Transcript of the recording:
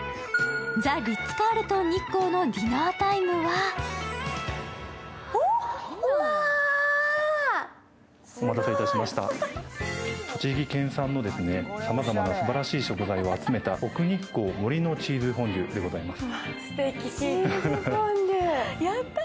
ザ・リッツ・カールトン日光のディナータイムは栃木県産のさまざまなすばらしい食材を集めた奥日光森のチーズフォンデュでございます。